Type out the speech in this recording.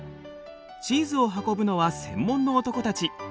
チーズを運ぶのは専門の男たち。